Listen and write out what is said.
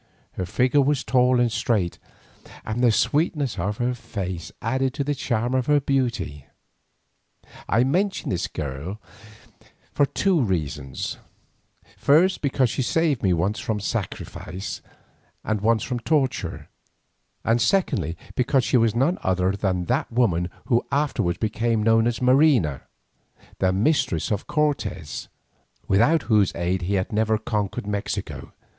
Her figure was tall and straight, and the sweetness of her face added to the charm of her beauty. I mention this girl here for two reasons, first because she saved me once from sacrifice and once from torture, and secondly because she was none other than that woman who afterwards became known as Marina, the mistress of Cortes, without whose aid he had never conquered Mexico.